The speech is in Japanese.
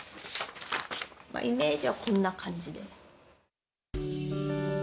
イメージはこんな感じで。